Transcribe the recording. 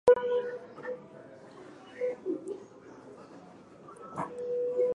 kujiunga kwa jamuhuri ya kidemokrasia ya Kongo kama mwanachama wa jumuiya